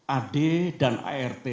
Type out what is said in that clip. ad dan art